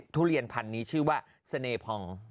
ทุเรียนพันธุ์นี้ชื่อว่าเสน่พอง